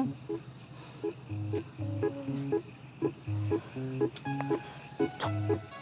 cuk buka baju